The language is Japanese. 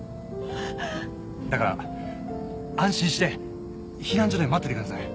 だから安心して避難所で待っててください。